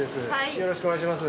よろしくお願いします。